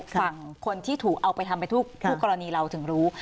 ฝั่งคนที่ถูกเอาไปทำไปทุกคู่กรณีเราถึงรู้